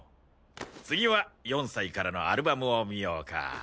次は４歳からのアルバムを見ようか。